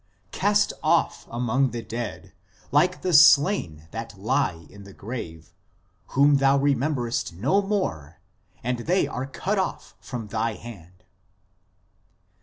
: "Cast off among the dead, like the slain that lie in the grave, whom thou rememberest no more, and they are cut off from thy hand."